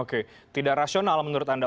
oke tidak rasional menurut anda